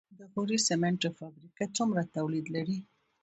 د غوري سمنټو فابریکه څومره تولید لري؟